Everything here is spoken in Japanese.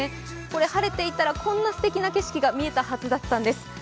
これ晴れていたら、こんなすてきな景色が見えたはずだったんです。